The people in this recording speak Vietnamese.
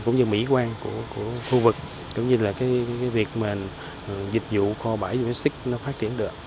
cũng như mỹ quan của khu vực cũng như việc dịch vụ kho bãi dùng xích phát triển được